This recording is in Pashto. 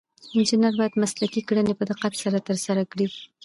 انجینر باید مسلکي کړنې په دقت ترسره کړي.